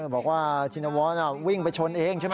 บอกว่าชินวรวิ่งไปชนเองใช่ไหม